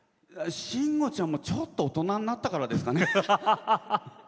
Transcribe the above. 慎吾ちゃんもちょっと大人になったからですかね。